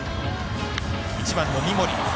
１番の三森。